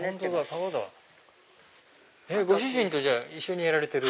ご主人と一緒にやられてる？